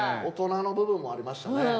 大人の部分もありましたね。